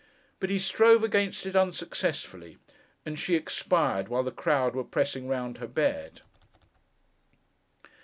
But, he strove against it unsuccessfully, and she expired while the crowd were pressing round her bed.